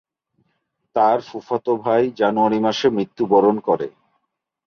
তার ফুফাতো ভাই জানুয়ারি মাসে মৃত্যুবরণ করে।